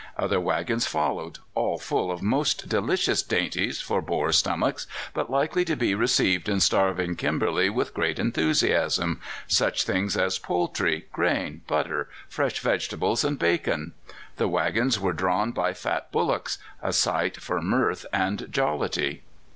Other waggons followed, all full of most delicious dainties for Boer stomachs, but likely to be received in starving Kimberley with greater enthusiasm such things as poultry, grain, butter, fresh vegetables, and bacon. The waggons were drawn by fat bullocks a sight for mirth and jollity.